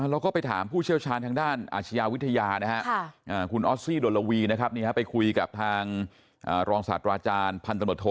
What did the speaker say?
เราก็ไปถามผู้เชี่ยวชาญทางด้านอาชญาวิทยานะฮะคุณออสซี่โดลวีนะครับไปคุยกับทางรองศาสตราจารย์พันธบทโท